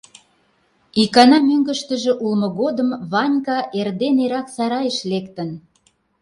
Икана мӧҥгыштыжӧ улмо годым Ванька эрден-эрак сарайыш лектын.